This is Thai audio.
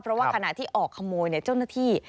เพราะว่าขณะที่ออกขโมยเนี่ย